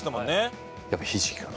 やっぱりひじきかな。